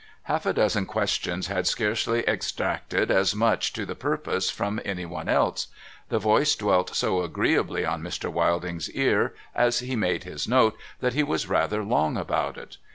Half a dozen questions had scarcely extracted as much to the purpose from any one else. The voice dwelt so agreeably on Mr. Wilding's ear as he made his note, that he was rather long about it.